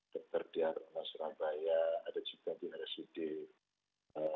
keberdian surabaya ada juga di residen